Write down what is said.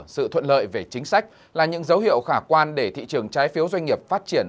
sự thuận lợi về chính sách là những dấu hiệu khả quan để thị trường trái phiếu doanh nghiệp phát triển